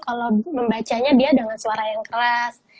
kalau membacanya dia dengan suara yang keras